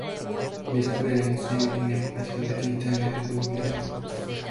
Dispone de museo y tiene vocación de think tank desde su fundación.